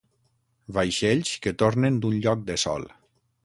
Vaixells que tornen d’un lloc de sol.